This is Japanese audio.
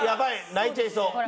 泣いちゃいそう。